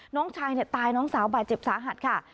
น้องชายตายน้องสาวบาดเจ็บสาหัสค่ะ